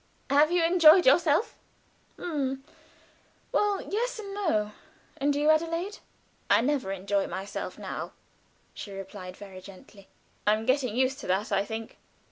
Have you enjoyed yourself?" "H'm well yes and no. And you, Adelaide?" "I never enjoy myself now," she replied, very gently. "I am getting used to that, I think."